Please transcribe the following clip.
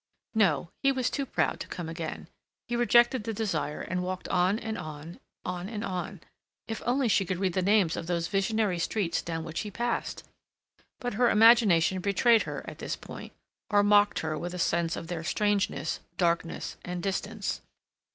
No; he was too proud to come again; he rejected the desire and walked on and on, on and on—If only she could read the names of those visionary streets down which he passed! But her imagination betrayed her at this point, or mocked her with a sense of their strangeness, darkness, and distance.